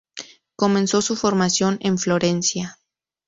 Comenzó su formación en Florencia.